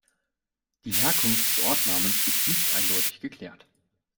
Die Herkunft des Ortsnamens ist nicht eindeutig geklärt.